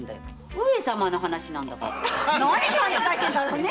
上様の話なんだから何を勘違いしてるんだろうね。